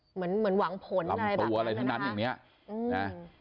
เหมือนเหมือนหวังผลอะไรตัวอะไรทั้งนั้นอย่างเนี้ยอืมนะ